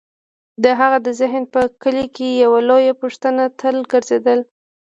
د هغه د ذهن په کلي کې یوه لویه پوښتنه تل ګرځېده: